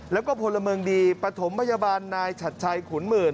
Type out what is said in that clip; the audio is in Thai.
แล้วก็พลเมืองดีปฐมพยาบาลนายฉัดชัยขุนหมื่น